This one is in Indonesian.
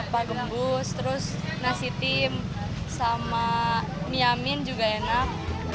pagembus terus nasi tim sama mi amin juga enak